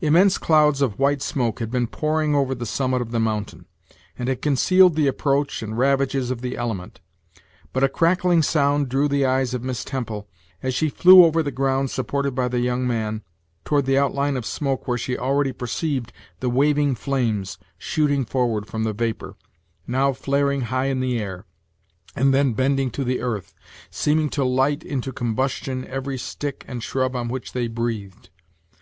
Immense clouds of white smoke had been pouring over the summit of the mountain, and had concealed the approach and ravages of the element; but a crackling sound drew the eyes of Miss Temple, as she flew over the ground supported by the young man, toward the outline of smoke where she already perceived the waving flames shooting forward from the vapor, now flaring high in the air, and then bending to the earth, seeming to light into combustion every stick and shrub on which they breathed.